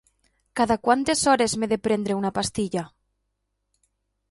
Cada quantes hores m'he de prendre una pastilla?